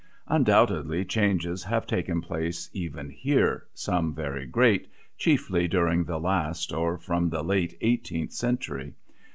Undoubtedly changes have taken place even here, some very great, chiefly during the last, or from the late eighteenth century.